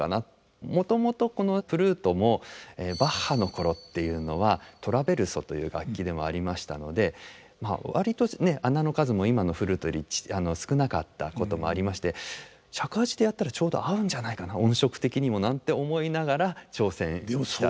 もともとこのフルートもバッハの頃っていうのはトラヴェルソという楽器でもありましたので割と孔の数も今のフルートより少なかったこともありまして尺八でやったらちょうど合うんじゃないかな音色的にもなんて思いながら挑戦した作品です。